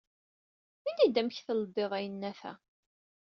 Ini-d, amek tleddiḍ ayennat-a?